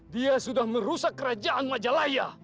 dia sudah merusak kerajaan majalaya